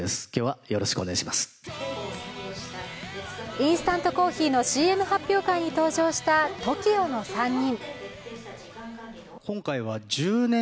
インスタントコーヒーのＣＭ発表会に登場したＴＯＫＩＯの３人。